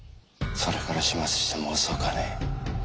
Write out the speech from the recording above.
それから始末しても遅くはねえ。